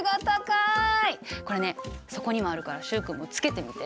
これねそこにもあるから習君もつけてみて。